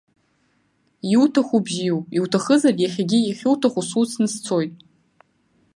Иуҭаху бзиоуп, иуҭахызар иахьагьы иахьуҳәо суцны сцоит.